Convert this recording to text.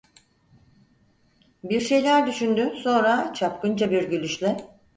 Bir şeyler düşündü, sonra çapkınca bir gülüşle: